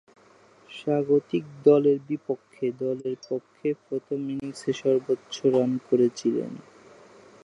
স্বাগতিক দলের বিপক্ষে দলের পক্ষে প্রথম ইনিংসে সর্বোচ্চ রান করেছিলেন।